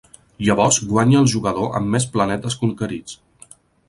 Llavors guanya el jugador amb més planetes conquerits.